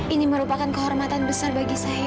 ini merupakan kehormatan besar bagi saya